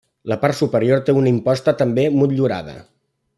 La part superior té una imposta també motllurada.